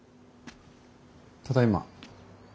ただいま。